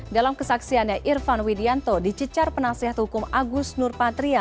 dalam kesaksiannya irfan widianto dicicar penasihat hukum agus nurpatria